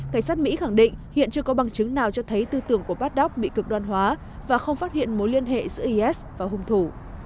cảnh sát mỹ khẳng định hiện chưa có bằng chứng nào cho thấy tư tưởng của paddock bị cực đoan hóa và không phát hiện mối liên hệ giữa is và hung thủ